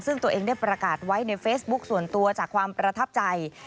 ซึ่งตัวเองได้ประกาศไว้ในเฟซบุ๊คส่วนตัวจากความประทับใจ